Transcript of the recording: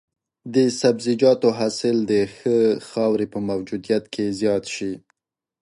د سبزیجاتو حاصل د ښه خاورې په موجودیت کې زیات شي.